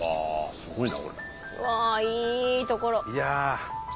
すごいな。